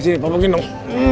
disini pak bukin dong